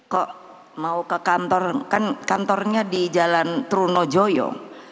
kok mau ke kantor kan kantornya di jalan trunojoyo